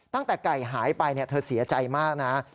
ตั้งแต่ไก่หายไปเธอเสียใจมากนะ